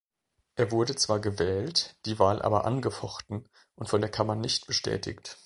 Er wurde zwar gewählt, die Wahl aber angefochten und von der Kammer nicht bestätigt.